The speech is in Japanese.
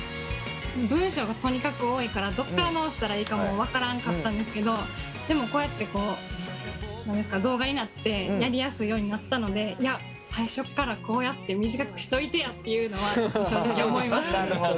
文章がとにかく多いからどっから直したらいいかも分からんかったんですけどでもこうやって動画になってやりやすいようになったので最初っからこうやって短くしといてやっていうのは正直思いました。